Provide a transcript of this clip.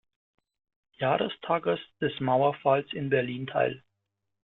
Jahrestages des Mauerfalls in Berlin teil.